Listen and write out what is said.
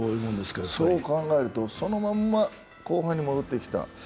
そう考えるとそのまま後半に戻ってきた。